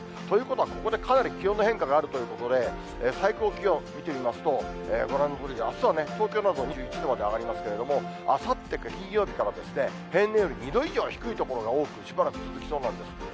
ということは、ここでかなり気温の変化があるということで、最高気温見てみますと、ご覧のとおりで、あすは東京など２１度まで上がりますけれども、あさって金曜日から、平年より２度以上低い所が多く、しばらく続きそうなんです。